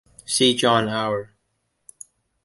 See John Hour.